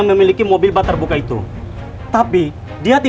nanti kalau ibu nanti nanti